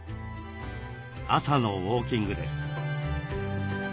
朝のウォーキングです。